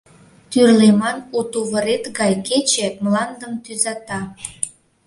Тӱрлеман у тувырет гай кече мландым тӱзата.